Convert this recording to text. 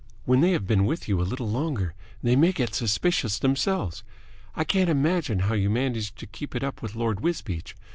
When they have been with you a little longer, they may get suspicious themselves. I can't imagine how you managed to keep it up with Lord Wisbeach.